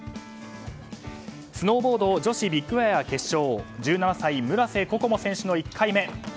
スノーボード女子ビッグエア決勝１７歳、村瀬心椛選手の１回目。